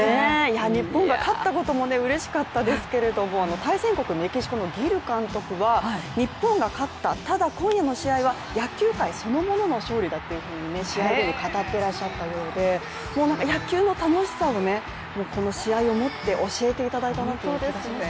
日本が勝ったこともうれしかったですけれども、対戦国・メキシコのギル監督が日本が勝った、ただ今夜の試合は野球界そのものの勝利だと試合後に語っていらっしゃったようで野球の楽しさをねこの試合をもって教えていただいたなっていうような気がします